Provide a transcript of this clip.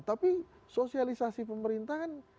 tapi sosialisasi pemerintahan